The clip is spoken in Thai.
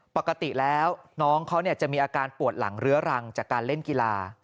ปกติแล้วน้องเขาจะมีอาการปวดหลังเรื้อรังจากการเล่นกีฬา